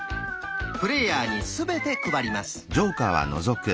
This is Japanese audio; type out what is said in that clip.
プレイヤーにすべて配ります。